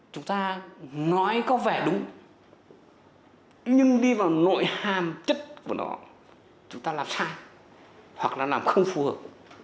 chúng ta nói có vẻ đúng nhưng đi vào nội hàm chất của nó chúng ta làm sai hoặc là làm không phù hợp